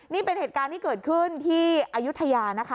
นี่เป็นเหตุการณ์ที่เกิดขึ้นที่อายุทยานะคะ